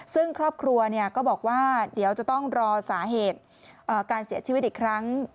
ซึ่งครอบครัวก็บอกว่าเดี๋ยวจะต้องรอสาเหตุการเสียชีวิตอีกครั้ง